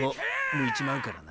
向いちまうからな。